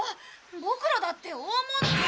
ボクらだって大物を。